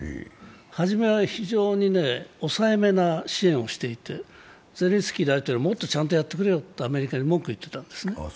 始めは非常に抑えめな支援をしていて、ゼレンスキー大統領、もっとちゃんとやってくれよってアメリカに文句言ってたんですね。